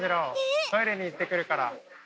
トイレに行ってくるから。